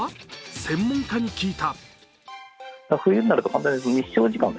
専門家に聞いた。